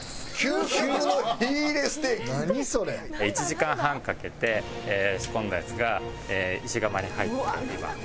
１時間半かけて仕込んだやつが石窯に入っています。